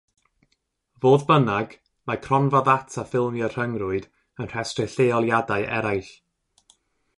Fodd bynnag, mae Cronfa Ddata Ffilmiau'r Rhyngrwyd yn rhestru lleoliadau eraill.